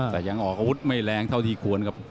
แต่ยังออกอาวุธไม่แรงเท่าที่ควรครับ